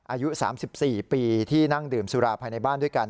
อายุ๓๔ปีที่นั่งดื่มสุราภายในบ้านด้วยกัน